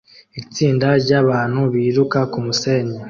Itsinda ryabantu biruka kumusenyi